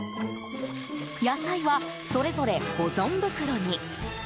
野菜は、それぞれ保存袋に。